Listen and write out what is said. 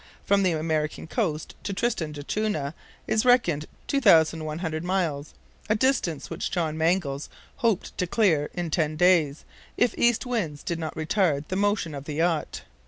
From the American coast to Tristan d'Acunha is reckoned 2,100 miles a distance which John Mangles hoped to clear in ten days, if east winds did not retard the motion of the yacht.